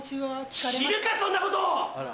知るかそんなこと！